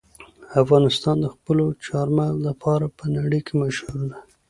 افغانستان د خپلو چار مغز لپاره په نړۍ کې مشهور دی.